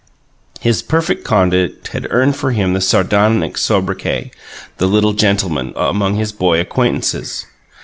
His perfect conduct had earned for him the sardonic sobriquet, "The Little Gentleman," among his boy acquaintances.